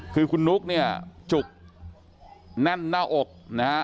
คือคุณนุ๊กเนี่ยจุกแน่นหน้าอกนะฮะ